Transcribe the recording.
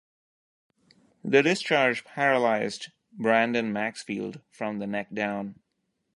The discharge paralyzed Brandon Maxfield from the neck down.